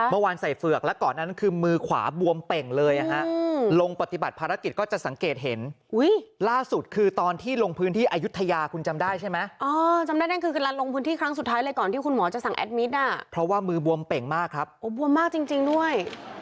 เมื่อวานใส่เฝือกแล้วก่อนนั้นคือมือขวาบวมเป่งเลย